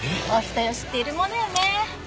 お人よしっているものよね。